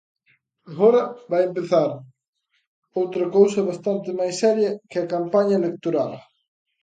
Agora vai empezar outra cousa bastante máis seria que a campaña electoral.